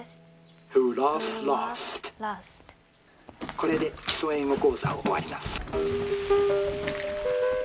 「これで『基礎英語講座』を終わります」。